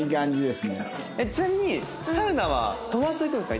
ちなみにサウナは友達と行くんですか？